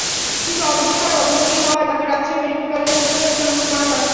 কিন্তু অবস্থার অবনতি হওয়ায় তাঁকে রাজশাহী মেডিকেল কলেজ হাসপাতালে স্থানান্তর করা হয়।